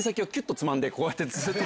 こうやってずっと。